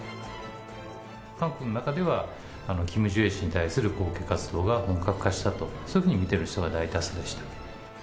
韓国の中では、キム・ジュエ氏に対する後継活動が本格化したと、そういうふうに見てる人が大多数でした。